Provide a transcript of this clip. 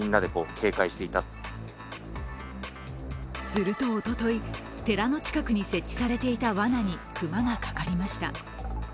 すると、おととい、寺の近くに設置されていたわなに熊がかかりました。